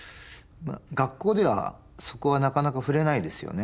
学校ではそこはなかなか触れないですよね